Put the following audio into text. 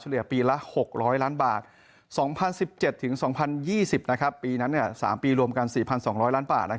เลียปีละ๖๐๐ล้านบาท๒๐๑๗๒๐๒๐ปีนั้น๓ปีรวมกัน๔๒๐๐ล้านบาท